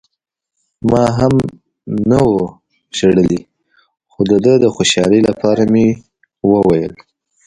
ما یو هم نه و وژلی، خو د ده د خوشحالۍ لپاره مې وویل.